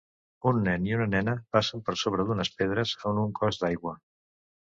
Un nen i una nena passen per sobre d'unes pedres en un cos d'aigua